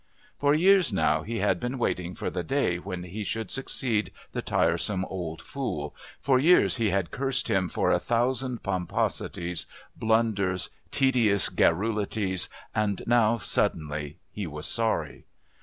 For years now he had been waiting for the day when he should succeed the tiresome old fool, for years he had cursed him for a thousand pomposities, blunders, tedious garrulities, and now, suddenly, he was sorry.